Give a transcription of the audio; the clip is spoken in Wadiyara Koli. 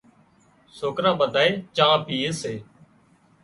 سوڪران ٻڌانئين چانه پيئي سي